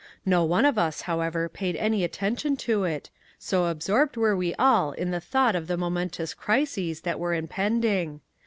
No one of us, however, paid any attention to it, so absorbed were we all in the thought of the momentous crises that were impending.